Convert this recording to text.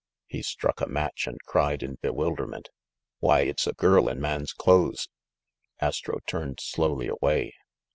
He struck a match and cried in bewilderment : "Why, it's a girl in man's clothes !" Astro turned slowly away.